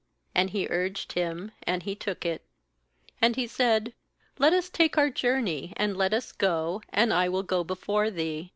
And he urged him, and he took it. BAnd he said: 'Let us take our journey, and let us go, and I will go before thee.'